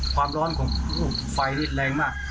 ความร้อนของลูกไฟนี่แรงมาก